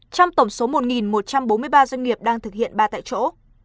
trong tổng số một một trăm bốn mươi ba doanh nghiệp đang thực hiện ba tại chỗ